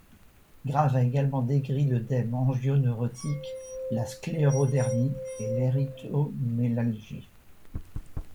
Graves a également décrit l'œdème angioneurotique, la sclérodermie et l'érythromélalgie.